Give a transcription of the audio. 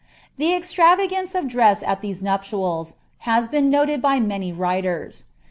The extravagance of dress at these nuptials, has been noted by many iters.